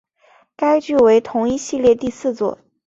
该剧为同一系列第四作。